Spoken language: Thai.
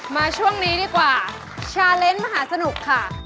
มาช่วงนี้ดีกว่าชาเลนส์มหาสนุกค่ะ